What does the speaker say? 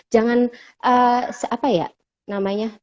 jangan apa ya namanya